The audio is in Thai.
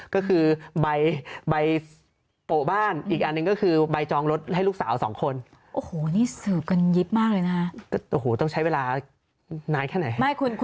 ก็คือใบโปะบ้านอีกอันหนึ่งก็คือใบจองรถให้ลูกสาวสองคน